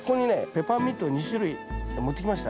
ペパーミント２種類持ってきました。